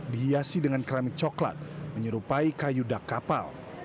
dihiasi dengan keramik coklat menyerupai kayu dak kapal